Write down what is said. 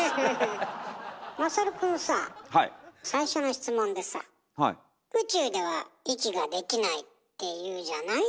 優くんさぁ最初の質問でさ「宇宙では息ができないっていうじゃない？」